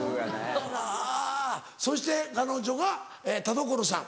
あぁそして彼女が田所さん。